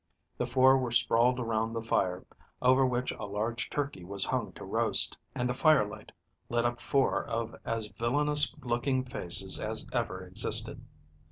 The four were sprawled around the fire, over which a large turkey was hung to roast, and the firelight lit up four of as villainous looking faces as ever existed.